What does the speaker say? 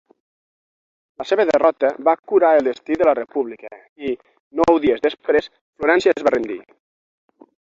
La seva derrota va curar el destí de la República i, nou dies després, Florència es va rendir.